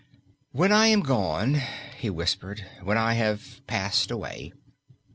"When I am gone," he whispered; "when I have passed away.